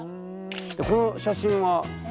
この写真は？